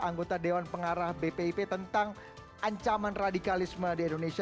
anggota dewan pengarah bpip tentang ancaman radikalisme di indonesia